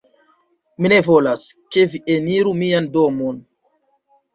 Mi ne volas, ke vi eniru mian domon